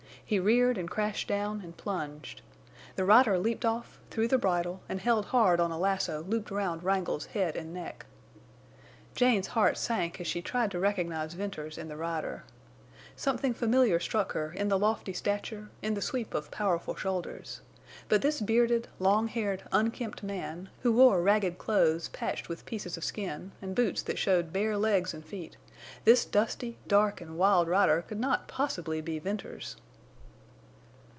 He reared and crashed down and plunged. The rider leaped off, threw the bridle, and held hard on a lasso looped round Wrangle's head and neck. Janet's heart sank as she tried to recognize Venters in the rider. Something familiar struck her in the lofty stature in the sweep of powerful shoulders. But this bearded, longhaired, unkempt man, who wore ragged clothes patched with pieces of skin, and boots that showed bare legs and feet—this dusty, dark, and wild rider could not possibly be Venters.